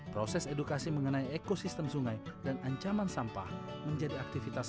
proses edukasi mengenai ekosistem sungai dan ancaman sampah menjadi aktivitas